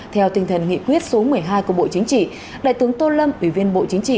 theo tinh thần nghị quyết số một mươi hai của bộ chính trị đại tướng tô lâm ủy viên bộ chính trị